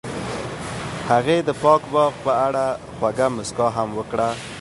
هغې د پاک باغ په اړه خوږه موسکا هم وکړه.